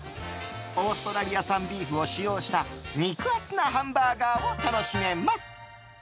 オーストラリア産ビーフを使用した肉厚なハンバーガーを楽しめます。